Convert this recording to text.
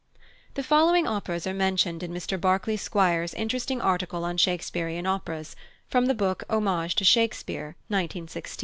The following operas are mentioned in Mr Barclay Squire's interesting article on Shakespearian operas, from the book Homage to Shakespeare, 1916.